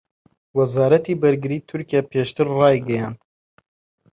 وەزارەتی بەرگریی تورکیا پێشتر ڕایگەیاند